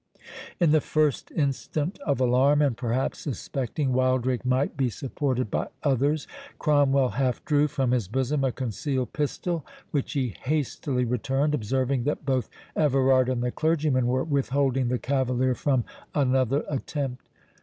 In the first instant of alarm,—and perhaps suspecting Wildrake might be supported by others, Cromwell half drew from his bosom a concealed pistol, which he hastily returned, observing that both Everard and the clergyman were withholding the cavalier from another attempt.